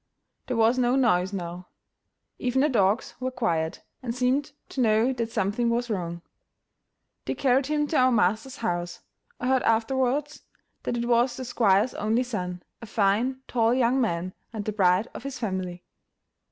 There was no noise now; even the dogs were quiet, and seemed to know that something was wrong. They carried him to our master's house. I heard afterwards that it was the squire's only son, a fine, tall young man, and the pride of his family.